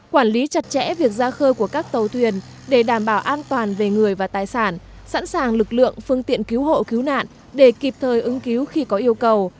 quản lý chặt chẽ việc ra khơi của các tàu thuyền để đảm bảo an toàn về người và tài sản sẵn sàng lực lượng phương tiện cứu hộ cứu nạn để kịp thời ứng cứu khi có yêu cầu